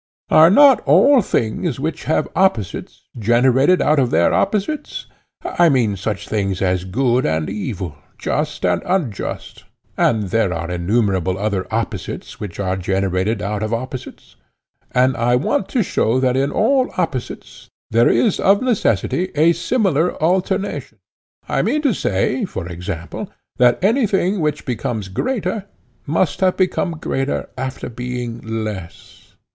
Are not all things which have opposites generated out of their opposites? I mean such things as good and evil, just and unjust—and there are innumerable other opposites which are generated out of opposites. And I want to show that in all opposites there is of necessity a similar alternation; I mean to say, for example, that anything which becomes greater must become greater after being less.